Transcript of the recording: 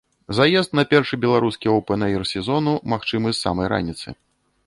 Заезд на першы беларускі оўпэн-эйр сезону магчымы з самай раніцы.